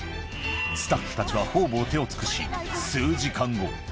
スタッフたちはほうぼう手を尽くし、数時間後。